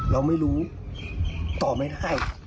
เราไม่รู้ตอบไม่ได้